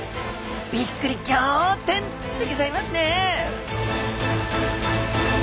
びっくりギョ天でギョざいますね！